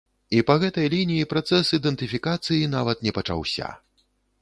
І па гэтай лініі працэс ідэнтыфікацыі нават не пачаўся.